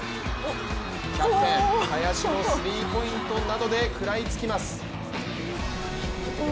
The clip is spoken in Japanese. キャプテン・林のスリーポイントなどで食らいつきます。